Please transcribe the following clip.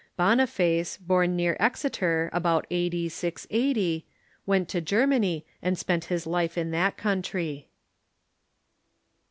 Boniface, born near Exeter, about a.d. 680, went to Germany and spent his life in that country.